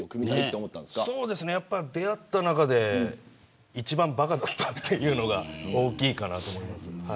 そうですね、やっぱり出会った中で一番ばかだったのが大きいかなと思います。